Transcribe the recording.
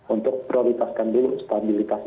untuk prioritaskan dulu stabilitas